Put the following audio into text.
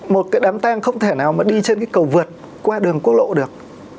một cái đám tang không thể nào mà đi trên cái cầu vượt qua đường quốc lộ được